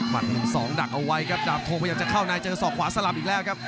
๑๒ดักเอาไว้ครับดาบทโทพยายามจะเข้าในเจอศอกขวาสลับอีกแล้วครับ